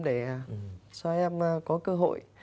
để cho em có cơ hội